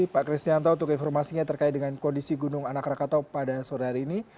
pak kristianto untuk informasinya terkait dengan kondisi gunung anak rakatau pada sore hari ini